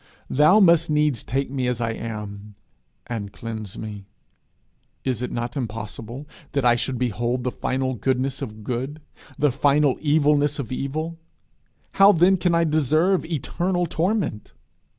Thou must needs take me as I am and cleanse me. Is it not impossible that I should behold the final goodness of good, the final evilness of evil? how then can I deserve eternal torment?